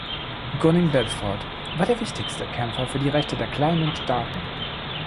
Gunning Bedford war der wichtigste Kämpfer für die Rechte der kleinen Staaten.